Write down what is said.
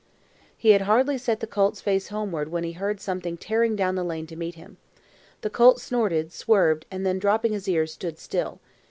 He had hardly set the colt's face homeward when he heard something tearing down the lane to meet him. The colt snorted, swerved, and then dropping his ears, stood still.